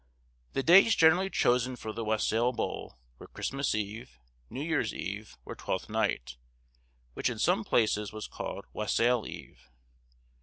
The days generally chosen for the wassail bowl were Christmas Eve, New Year's Eve or Twelfth Night, which in some places was called Wassail eve.